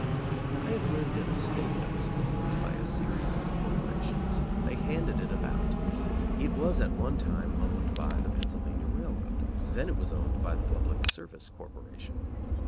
I have lived in a state that was owned by a series of corporations. They handed it about. It was at one time owned by the Pennsylvania Railroad; then it was owned by the Public Service Corporation.